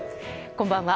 こんばんは。